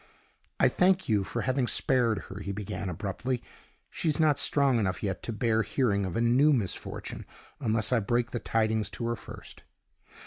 "I thank you for having spared her," he began, abruptly. "She is not strong enough yet to bear hearing of a new misfortune, unless I break the tidings to her first."